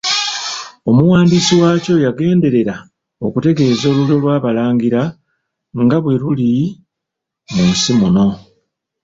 Omuwandiisi waakyo yagenderera okutegeeza olulyo lw'Abalangira nga bwe luli mu nsi muno.